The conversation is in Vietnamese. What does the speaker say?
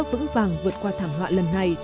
vững vàng vượt qua thảm họa lần này